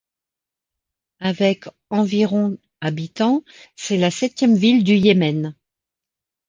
Avec environ habitants, c’est la septième ville du Yémen.